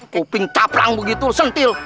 kuping caplang begitu sentil